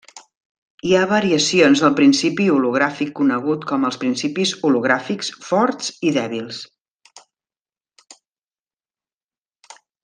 Hi ha variacions del principi hologràfic conegut com els principis hologràfics forts i dèbils.